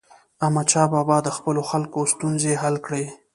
احمدشاه بابا د خپلو خلکو ستونزې حل کړي.